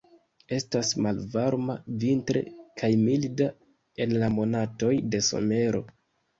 Estas malvarma vintre kaj milda en la monatoj de somero.